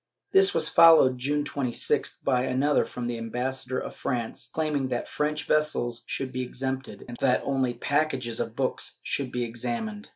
This was followed, June 26th, by another from the ambassa dor of France, claiming that French vessels should be exempted, and that only packages of books should be examined.